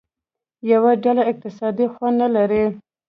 یوه ډله اقتصادي خوند نه لري.